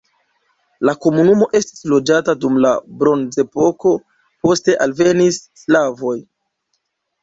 La komunumo estis loĝata dum la bronzepoko, poste alvenis slavoj.